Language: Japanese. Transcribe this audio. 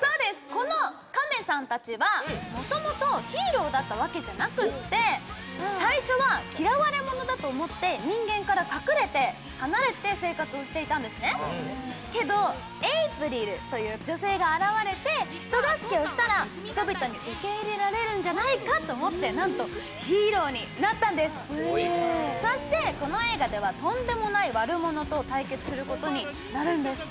この亀さん達は元々ヒーローだったわけじゃなくって最初は嫌われ者だと思って人間から隠れて離れて生活をしていたんですねけどエイプリルという女性が現れて人助けをしたら人々に受け入れられるんじゃないかと思ってなんとヒーローになったんですそしてこの映画ではとんでもない悪者と対決することになるんです